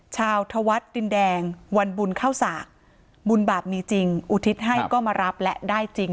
ชาวธวัดดินแดงวันบุญเข้าสากบุญบาปมีจริงอุทิศให้ก็มารับและได้จริง